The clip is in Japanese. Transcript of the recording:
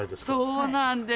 そうなんです。